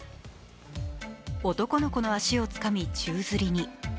男の子の足をつかみ宙づりに。